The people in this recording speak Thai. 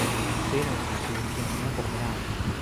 ซื้อหนังสือดูเพียงหน้าปกไม่ได้